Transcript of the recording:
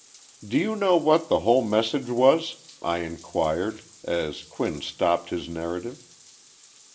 "Do you know what the whole message was?" I inquired, as Quinn stopped his narrative.